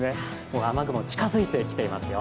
雨雲、近づいてきていますよ。